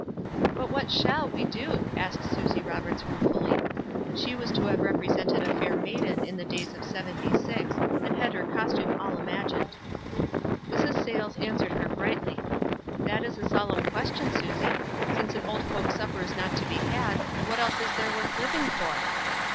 "But what shall we do?" asked Susie Rob erts, ruefully. She was to have represented a fair maiden of the days of 76, and had her cos tume all imagined. Mrs. Sayles answered her, brightly, — "That is a solemn question, Susie. Since an old folks' supper is not to be had, what else is there worth living for?"